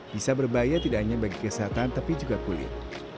bisa berbahaya tidak hanya bagi kesehatan tapi juga kulit